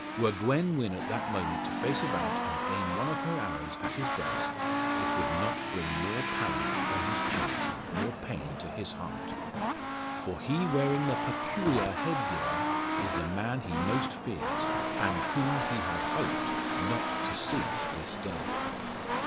Were Gwen Wynn at that moment to face about, and aim one of her arrows at his breast, it would not bring more pallor upon his cheeks, nor pain to his heart. For he wearing the "peculya head gear" is the man he most fears, and whom he had hoped not to see this day.